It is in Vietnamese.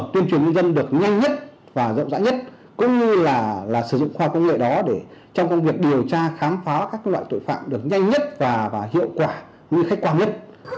tuyên truyền ngư dân được nhanh nhất và rộng rãi nhất cũng như là sử dụng khoa công nghệ đó để trong công việc điều tra khám phá các loại tội phạm được nhanh nhất và hiệu quả như khách quan nhất